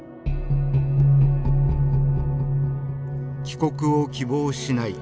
「帰国を希望しない。